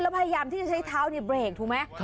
แล้วพยายามที่จะใช้เท้าเบรกถูกไหม